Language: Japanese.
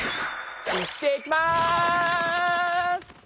行ってきます！